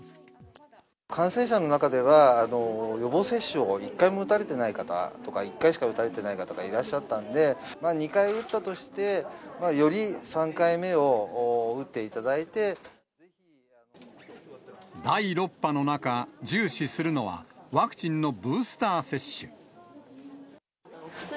感染者の中では、予防接種を１回も打たれてない方とか、１回しか打たれてない方がいらっしゃったので、２回打ったとして、第６波の中、重視するのは、ワクチンのブースター接種。